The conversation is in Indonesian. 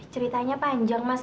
ceritanya panjang mas